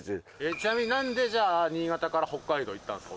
ちなみに何でじゃあ新潟から北海道行ったんですか？